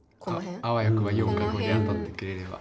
あわよくば４か５で当たってくれれば。